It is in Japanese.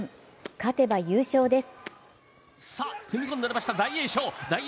勝てば優勝です。